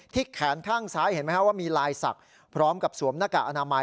แขนข้างซ้ายเห็นไหมครับว่ามีลายศักดิ์พร้อมกับสวมหน้ากากอนามัย